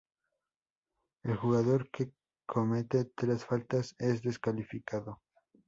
El jugador que comete tres faltas es descalificado.